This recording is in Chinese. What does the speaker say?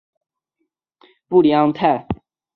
布里昂泰。